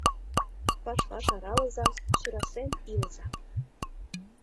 Ваш-ваш аралыза, сӧрасен илыза...